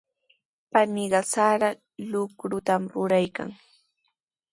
Paniiqa sara luqrutami ruraykan.